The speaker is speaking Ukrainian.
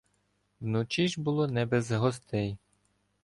Вночі ж було не без гостей.